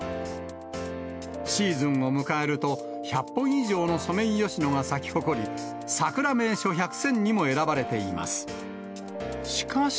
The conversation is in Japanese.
シーズンを迎えると、１００本以上のソメイヨシノが咲き誇り、さくら名所１００選にも選ばれています。